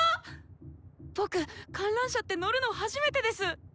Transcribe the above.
・僕観覧車って乗るの初めてです！